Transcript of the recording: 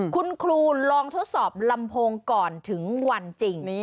คุณครูลองทดสอบลำโพงก่อนถึงวันจริง